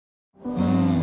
うん。